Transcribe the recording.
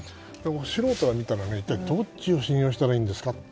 素人から見たら、どっちを信用したらいいんですか。